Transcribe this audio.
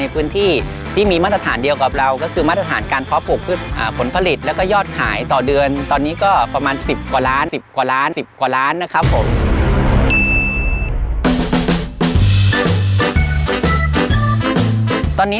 อันนี้ไม่ทำอะไรคือจับนิดเดียวใช่